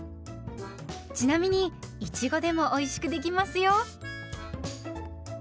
ちなみにいちごでもおいしくできますよ。